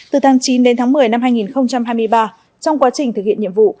từ tháng chín đến tháng một mươi năm hai nghìn hai mươi ba trong quá trình thực hiện nhiệm vụ